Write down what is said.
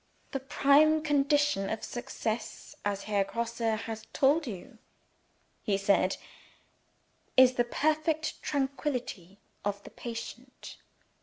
'The prime condition of success, as Herr Grosse has told you,' he said, 'is the perfect tranquillity of the patient.